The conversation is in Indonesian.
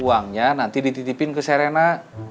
uangnya nanti dititipin ke serena